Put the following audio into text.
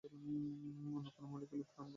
অন্য কোনো মলিকিউল প্রাণ গঠন করতে পারে না?